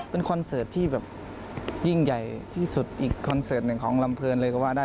เป็นคอนเสิร์ตที่แบบยิ่งใหญ่ที่สุดอีกคอนเสิร์ตหนึ่งของลำเพลินเลยก็ว่าได้